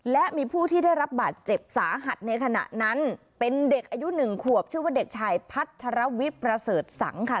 และมีผู้ที่ได้รับบาดเจ็บสาหัสในขณะนั้นเป็นเด็กอายุหนึ่งขวบชื่อว่าเด็กชายพัทรวิทย์ประเสริฐสังค่ะ